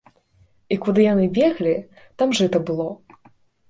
І куды яны беглі, там жыта было.